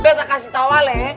betta kasih tau aleh